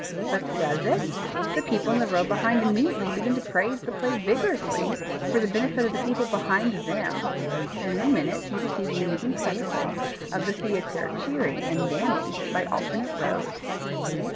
But does it? The people in the row behind immediately begin to praise the play vigorously, for the benefit of the people behind them; and in a minute you see the amusing spectacle of the theatre cheering and damning by alternate rows.